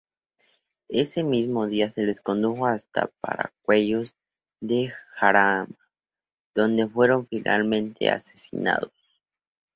Ese mismo día se les condujo hasta Paracuellos de Jarama, donde fueron finalmente asesinados.